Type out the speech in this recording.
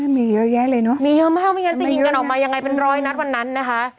มีเยอะแยะเลยเนอะมีเยอะมากไม่งั้นจะยิงกันออกมายังไงเป็นร้อยนัดวันนั้นนะคะ